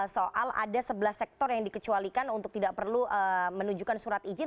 soal ada sebelas sektor yang dikecualikan untuk tidak perlu menunjukkan surat izin